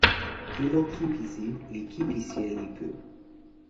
ilo kipisi li kipisi e lipu.